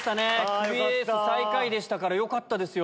クビレース最下位でしたからよかったですよ。